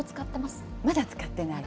まだ使ってない。